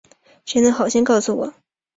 谁能好心告诉我